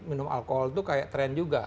minum alkohol itu kayak tren juga